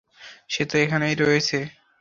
সে তো এখানেই রয়েছে।